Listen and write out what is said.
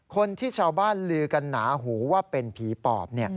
คนที่ชาวบ้านลือกันหนาหูว่าเป็นผีปอบ